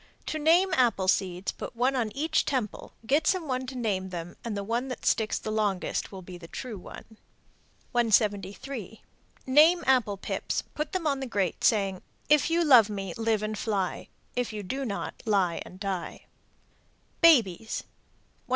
To name apple seeds, put one on each temple, get some one to name them, and the one that sticks the longest will be the true one. 173. Name apple pips, put them on the grate, saying, If you love me, live and fly; If you do not, lie and die. BABIES. 174.